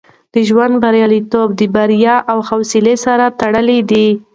د ژوند بریالیتوب د باور او حوصله سره تړلی دی.